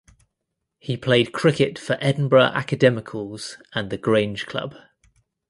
He played cricket for Edinburgh Academicals and The Grange Club.